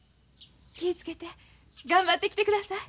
気ぃ付けて。頑張ってきてください。